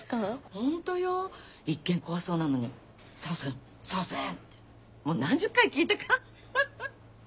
ホントよ一見怖そうなのに「サーセンサーセン」ってもう何十回聞いたかフフっ。